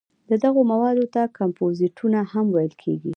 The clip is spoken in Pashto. دغو موادو ته کمپوزېټونه هم ویل کېږي.